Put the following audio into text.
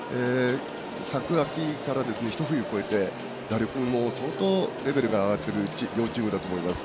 昨秋から一冬越えて打力も相当レベルが上がってる両チームだと思います。